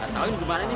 gak tau gimana nih